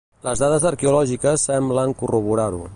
Les dades arqueològiques semblen corroborar-ho.